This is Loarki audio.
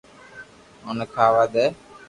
او ني کاوا دي